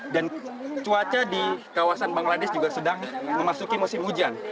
dan cuaca di kawasan bangladesh juga sedang memasuki musim hujan